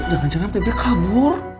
jangan jangan pebri kabur